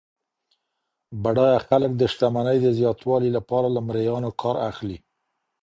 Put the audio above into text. بډایه خلګ د شتمنۍ د زیاتوالي لپاره له مریانو کار اخلي.